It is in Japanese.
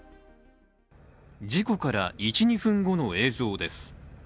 事故から１２分後の映像です。